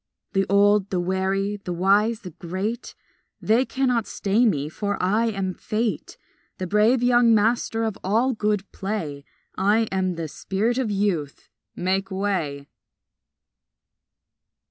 The old, the wary, the wise, the great, They cannot stay me, for I am Fate, The brave young master of all good play, I am the spirit of Youth; make way!